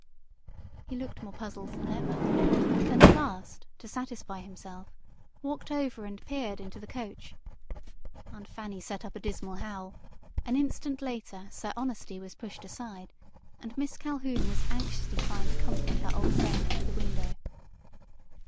He looked more puzzled than ever then at last, to satisfy himself, walked over and peered into the coach. Aunt Fanny set up a dismal howl; an instant later Sir Honesty was pushed aside, and Miss Calhoun was anxiously trying to comfort her old friend through the window.